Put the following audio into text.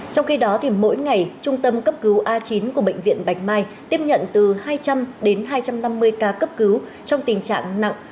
trong khi đó mỗi ngày trung tâm cấp cứu a chín của bệnh viện bạch mai tiếp nhận từ hai trăm linh đến hai trăm năm mươi ca cấp cứu trong tình trạng nặng